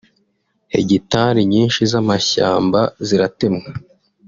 hegitari nyinshi z’amashyamba ziratemwa